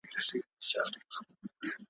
دوو وروڼو جنګ وکړ، کم عقلو باور په وکړ ,